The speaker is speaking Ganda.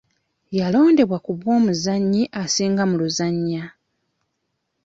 Yalondebwa ku bwomuzannyi asinga mu luzannya.